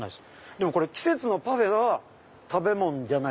でもこれ季節のパフェは食べ物。